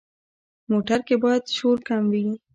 موټر کې باید شور کم وي.